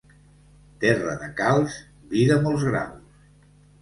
Terra de calç, vi de molts graus.